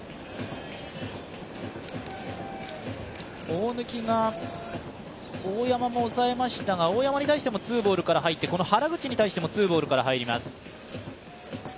大貫が大山も抑えましたが、大山に対してもツーボールから入って、原口に対してもツーボールから入ります。